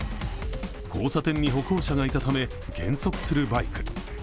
交差点に歩行者がいたため、減速するバイク。